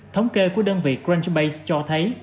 thống kê của đơn vị crunchbase cho thấy